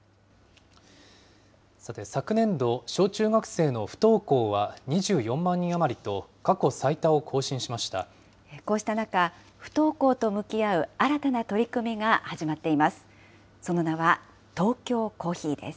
さて、昨年度、小中学生の不登校は２４万人余りと、こうした中、不登校と向き合う新たな取り組みが始まっています。